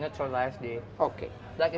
seperti yang anda katakan